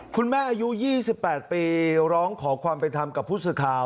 อายุ๒๘ปีร้องขอความเป็นธรรมกับผู้สื่อข่าว